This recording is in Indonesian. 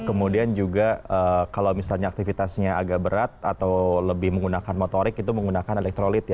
kemudian juga kalau misalnya aktivitasnya agak berat atau lebih menggunakan motorik itu menggunakan elektrolit ya